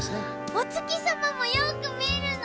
おつきさまもよくみえるの？